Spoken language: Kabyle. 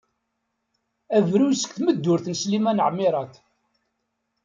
Abruy seg tmeddurt n Sliman Ɛmirat.